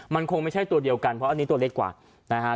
มันคงไม่ใช่ตัวเดียวกันเพราะอันนี้ตัวเล็กกว่านะฮะ